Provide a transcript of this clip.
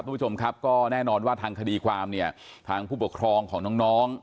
คุณผู้ชมครับก็แน่นอนว่าทางคดีความเนี่ยทางผู้ปกครองของน้อง